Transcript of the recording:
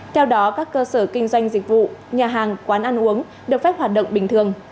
theo đó các cơ sở kinh doanh dịch vụ nhà hàng quán ăn uống được phép hoạt động bình thường